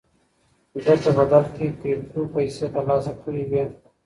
ده په بدل کې کرېپټو پيسې ترلاسه کړې وې.